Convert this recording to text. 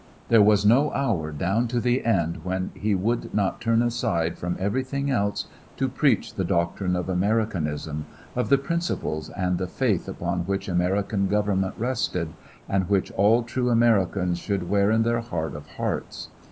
There was no hour down to the end when he would not turn aside from everything else to preach the doctrine of Americanism, of the principles and the faith upon which American government rested, and which all true Americans should wear in their heart of hearts.